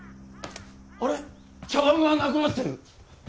茶碗がなくなってる！